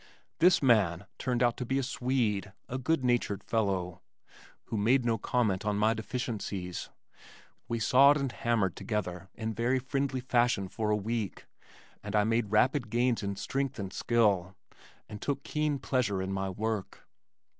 "This man" turned out to be a Swede, a good natured fellow, who made no comment on my deficiencies. We sawed and hammered together in very friendly fashion for a week, and I made rapid gains in strength and skill and took keen pleasure in my work.